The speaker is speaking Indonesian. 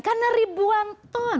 karena ribuan ton